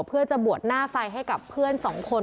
เพื่อจะบวชหน้าไฟให้กับเพื่อนสองคน